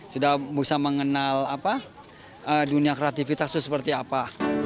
sudah bisa mengenal dunia kreativitas itu seperti apa